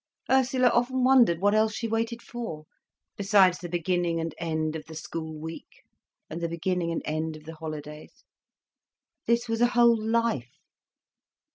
Ursula often wondered what else she waited for, besides the beginning and end of the school week, and the beginning and end of the holidays. This was a whole life!